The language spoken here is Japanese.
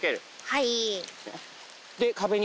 はい。